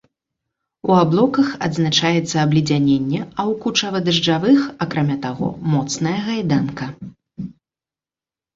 У аблоках адзначаецца абледзяненне, а ў кучава-дажджавых, акрамя таго, моцная гайданка.